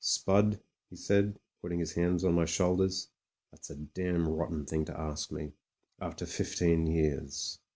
"Spud," he said, putting his hands on my shoulders, "that's a damn rotten thing to ask me — rafter fifteen years.